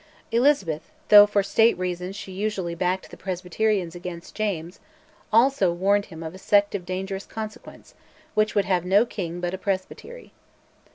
Elizabeth, though for State reasons she usually backed the Presbyterians against James, also warned him of "a sect of dangerous consequence, which would have no king but a presbytery."